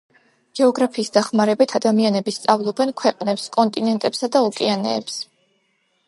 გეოგრაფიის დახმარებით ადამიანები სწავლობენ ქვეყნებს, კონტინენტებსა და ოკეანეებს.